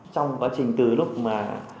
trong quá trình từ lúc mà